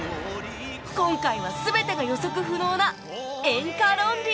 今回は全てが予測不能な演歌ロンリーさん